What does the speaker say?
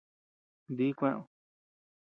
Dí kúëd.